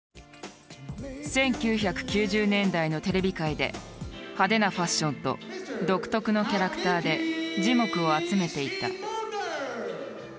１９９０年代のテレビ界で派手なファッションと独特のキャラクターで耳目を集めていた。